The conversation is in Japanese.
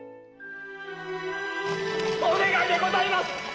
お願いでございます！